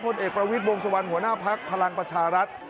เอกประวิทย์วงสุวรรณหัวหน้าภักดิ์พลังประชารัฐ